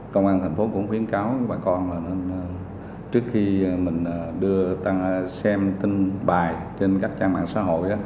công an thành phố cũng khuyến cáo bà con là nên trước khi mình đưa tăng xem tin bài trên các trang mạng xã hội